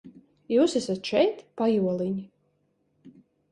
Jūs esat šeit, pajoliņi?